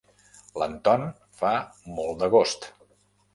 L'Anton fa molt d'agost.